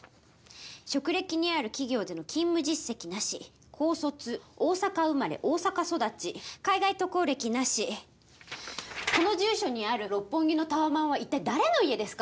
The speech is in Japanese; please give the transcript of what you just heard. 職歴にある企業での勤務実績なし高卒大阪生まれ大阪育ち海外渡航歴なしこの住所にある六本木のタワマンはいったい誰の家ですか？